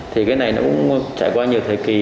thì cái này nó cũng trải qua nhiều thời kỳ